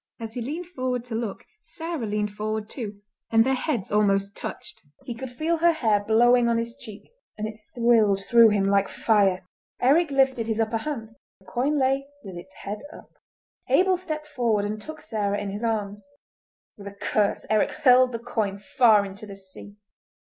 As he leaned forward to look Sarah leaned forward too, and their heads almost touched. He could feel her hair blowing on his cheek, and it thrilled through him like fire. Eric lifted his upper hand; the coin lay with its head up. Abel stepped forward and took Sarah in his arms. With a curse Eric hurled the coin far into the sea.